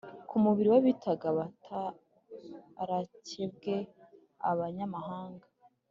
ku mubiri w abitaga abatarakebwe abanyamahanga